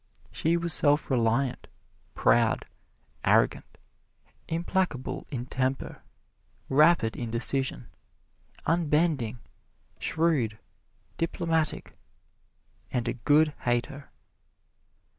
She was self reliant, proud, arrogant, implacable in temper, rapid in decision, unbending, shrewd, diplomatic and a good hater.